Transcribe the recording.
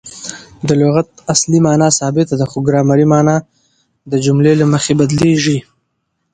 د لغت اصلي مانا ثابته ده؛ خو ګرامري مانا د جملې له مخه بدلیږي.